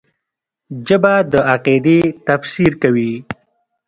ژبه د عقیدې تفسیر کوي